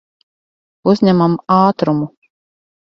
Uzņemam ātrumu.